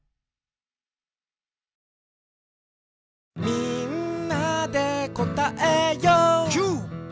「みんなでこたえよう」キュー！